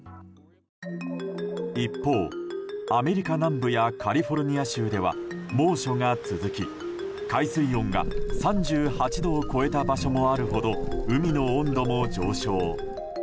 一方、アメリカ南部やカリフォルニア州では猛暑が続き海水温が３８度を超えた場所もあるほど海の温度も上昇。